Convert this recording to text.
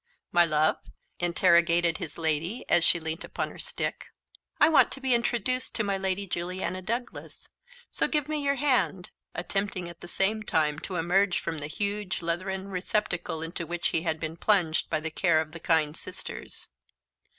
"My love?" interrogated his lady as she leant upon her stick. "I want to be introduced to my Lady Juliana Douglas; so give me your hand," attempting, at the same time, to emerge from the huge leathern receptacle into which he had been plunged by the care of the kind sisters.